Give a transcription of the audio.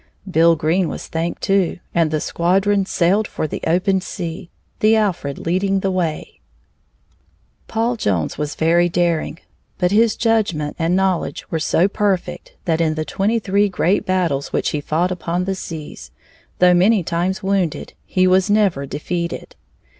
Bill Green was thanked, too, and the squadron sailed for the open sea, the Alfred leading the way. Paul Jones was very daring, but his judgment and knowledge were so perfect that in the twenty three great battles which he fought upon the seas, though many times wounded, he was never defeated.